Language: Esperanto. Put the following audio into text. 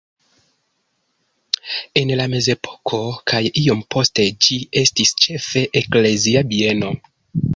En la mezepoko kaj iom poste ĝi estis ĉefe eklezia bieno.